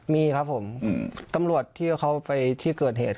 มีครับผมตำรวจที่เขาไปที่เกิดเหตุ